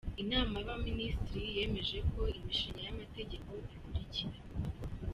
Inama y’Abaminisitiri yemeje Imishinga y’Amategeko ikurikira: